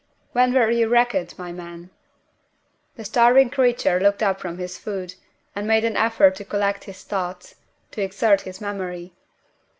When were you wrecked, my man?" The starving creature looked up from his food, and made an effort to collect his thoughts to exert his memory.